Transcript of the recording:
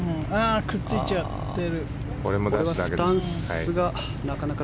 くっついちゃってる。